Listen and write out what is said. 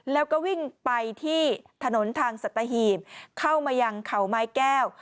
แล้วก็วิ่งไปที่ถนนทางสัตหีบเข้ามายังเขาไม้แก้ว